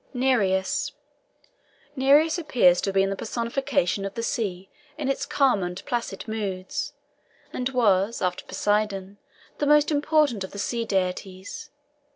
NEREUS. Nereus appears to have been the personification of the sea in its calm and placid moods, and was, after Poseidon, the most important of the sea deities.